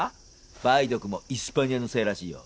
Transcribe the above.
梅毒もイスパニアのせいらしいよ。